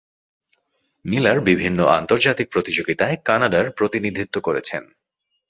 Miller বিভিন্ন আন্তর্জাতিক প্রতিযোগিতায় কানাডার প্রতিনিধিত্ব করেছেন।